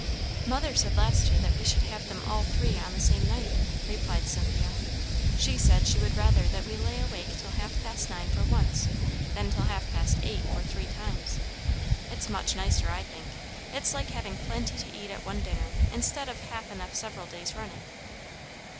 "Mother said last year that we should have them all three on the same night," replied Cynthia. "She said she would rather that we lay awake till half past nine for once, than till half past eight for three times. It's much nicer, I think. It's like having plenty to eat at one dinner, instead of half enough several days running.